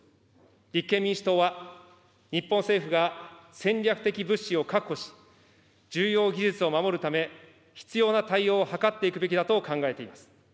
立憲民主党は日本政府が戦略的物資を確保し、重要技術を守るため、必要な対応を図っていくべきだと考えています。